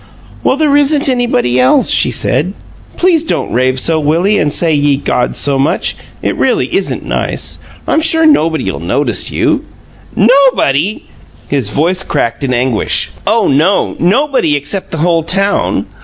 "Well, there isn't anybody else," she said. "Please don't rave so, Willie, and say 'Ye gods' so much; it really isn't nice. I'm sure nobody 'll notice you " "'Nobody'!" His voice cracked in anguish. "Oh no! Nobody except the whole town!